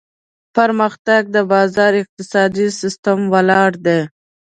پرمختګ د بازار اقتصادي سیستم ولاړ دی.